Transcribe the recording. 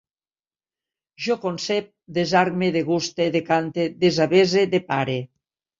Jo concep, desarme, deguste, decante, desavese, depare